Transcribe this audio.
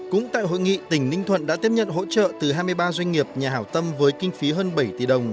cũng tại hội nghị tỉnh ninh thuận đã tiếp nhận hỗ trợ từ hai mươi ba doanh nghiệp nhà hảo tâm với kinh phí hơn bảy tỷ đồng